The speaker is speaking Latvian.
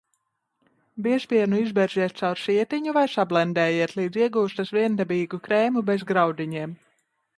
Biezpienu izberziet caur sietiņu vai sablendējiet, līdz iegūstat viendabīgu krēmu bez graudiņiem.